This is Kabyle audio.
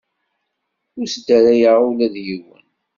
Ur sdarayeɣ ula d yiwen.